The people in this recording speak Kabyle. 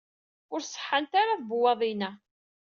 Ur ṣeḥḥant ara tebewwaḍin-a.